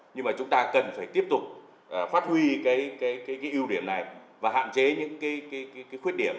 nhưng mà chúng ta cần phải tiếp tục phát huy cái ưu điểm này và hạn chế những cái khuyết điểm